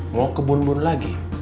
mau ke bun bun lagi